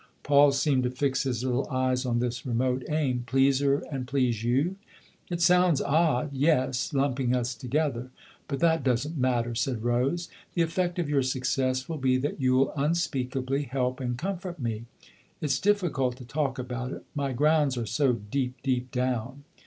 Paul seemed to fix his little eyes on this remote aim. " Please her and please you," " It sounds odd, yes, lumping us together* But that doesn't matter," said Rose. "The effect of your success will be that you'll unspeakably help and comfort me. It's difficult to talk about it ^my grounds are so deep, deep down."